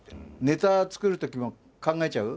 ネタ作るときも考えちゃう？